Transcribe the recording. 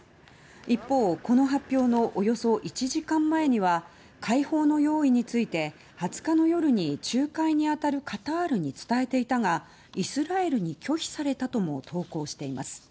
一方、この発表のおよそ１時間前には解放の用意について２０日の夜に仲介に当たるカタールに伝えていたがイスラエルに拒否されたとも投稿しています。